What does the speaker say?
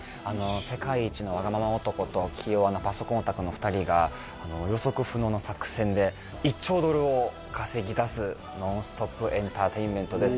世界一のワガママ男と気弱なパソコンオタクの２人が予測不能の作戦で１兆ドルを稼ぎ出すノンストップエンターテインメントです